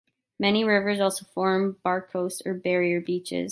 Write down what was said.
Many rivers also form barachois or barrier beaches.